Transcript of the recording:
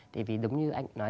thì vì giống như anh nói